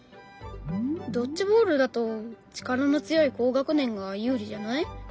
ドッジボールだと力の強い高学年が有利じゃない？